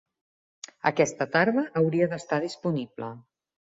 Aquesta tarda hauria d'estar disponible.